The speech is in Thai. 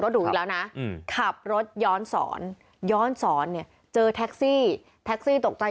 รถหูละนะอืมขับรถย้อนสอนย้อนสอนนี่เจอต้อกจัด